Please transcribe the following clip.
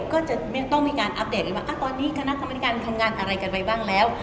ก็จะต้องมีการอัปเดตเลยว่าตอนนี้คณะกรรมนิการทำงานอะไรกันไปบ้างแล้ว